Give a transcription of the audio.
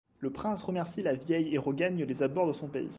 Le prince remercie la vieille et regagne les abords de son pays.